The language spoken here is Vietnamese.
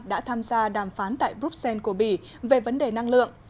đã tham gia đàm phán tại bruxelles của bỉ về vấn đề năng lượng